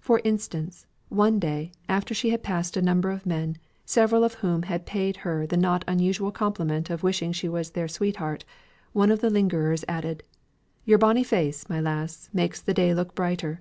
For instance, one day, after she had passed a number of men, several of whom had paid her the not unusual compliment of wishing she was their sweetheart, one of the lingerers added, "Your bonny face, my lass, makes the day look brighter."